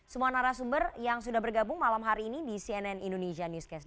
semua narasumber yang sudah bergabung malam hari ini di cnn indonesia newscast